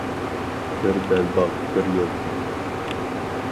« بىر بەلباغ، بىر يول».